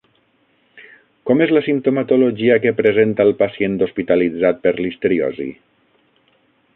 Com és la simptomatologia que presenta el pacient hospitalitzat per listeriosi?